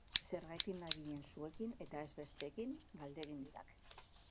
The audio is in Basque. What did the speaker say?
Zergatik nabilen zuekin eta ez besteekin galdegin didak.